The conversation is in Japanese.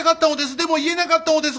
でも言えなかったのです。